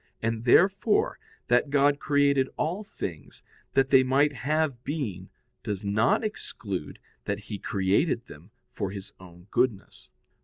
And, therefore, that God created all things, that they might have being, does not exclude that He created them for His own goodness.